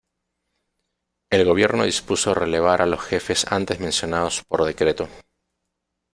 El gobierno dispuso relevar a los jefes antes mencionados por decreto.